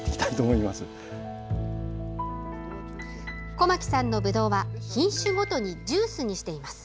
小牧さんのぶどうは品種ごとにジュースにしています。